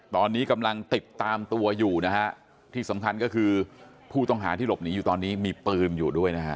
ตอนนี้กำลังติดตามตัวอยู่นะฮะที่สำคัญก็คือผู้ต้องหาที่หลบหนีอยู่ตอนนี้มีปืนอยู่ด้วยนะฮะ